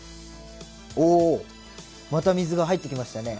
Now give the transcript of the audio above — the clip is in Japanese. おおまた水が入ってきましたね。